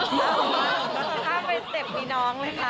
เขาข้ามไปเต็ปมีน้องเลยค่ะ